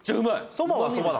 ・そばはそばだ・